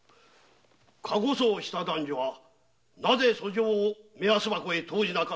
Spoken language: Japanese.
駕籠訴をした男女はなぜ訴状を“目安箱”へ投じなかったのです？